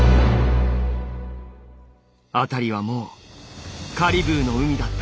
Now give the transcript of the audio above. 「あたりはもうカリブーの海だった。